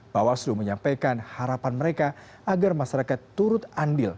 bawaslu menyampaikan harapan mereka agar masyarakat turut andil